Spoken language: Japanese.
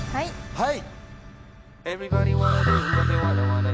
はい！